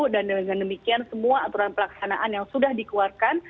dan dengan demikian semua aturan pelaksanaan yang sudah dikeluarkan